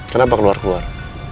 kenapa keluar keluar